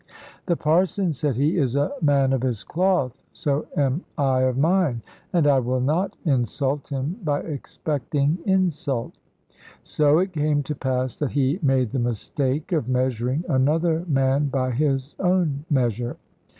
"The Parson," said he, "is a man of his cloth; so am I of mine; and I will not insult him by expecting insult." So it came to pass that he made the mistake of measuring another man by his own measure.